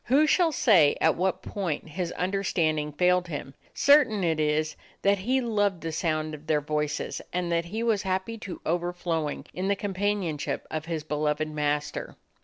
Who shall say at what point his under standing failed him? Certain it is that he loved the sound of their voices and that he was happy to overflowing in the companionship of his beloved master.